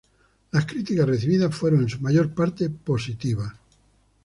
Las críticas recibidas fueron en su mayor parte positivas.